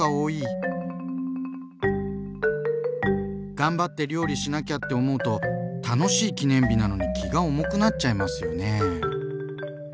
頑張って料理しなきゃって思うと楽しい記念日なのに気が重くなっちゃいますよね。